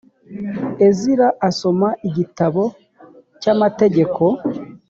ezira asoma igitabo cy amategeko